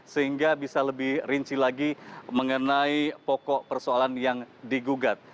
sehingga bisa lebih rinci lagi mengenai pokok persoalan yang digugat